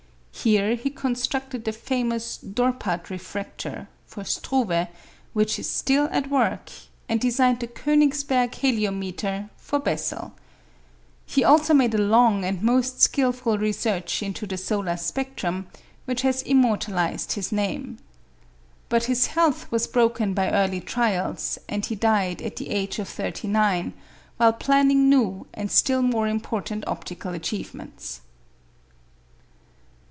Here he constructed the famous "Dorpat refractor" for Struve, which is still at work; and designed the "Königsberg heliometer" for Bessel. He also made a long and most skilful research into the solar spectrum, which has immortalized his name. But his health was broken by early trials, and he died at the age of thirty nine, while planning new and still more important optical achievements.